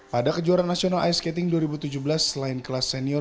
pada kejuaraan nasional ice skating dua ribu tujuh belas selain kelas senior